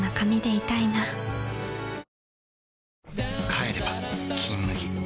帰れば「金麦」